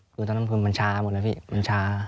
คือตอนนั้นคือมันช้าหมดเลยพี่มันช้า